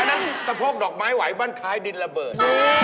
อันนั้นสะโพกดอกไม้ไหวบ้านคลายดินระเบิร์ต